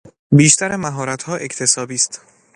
بیشتر مهارتها اکتسابی است.